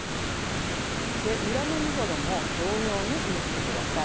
裏の身ごろも同様に縫って下さい。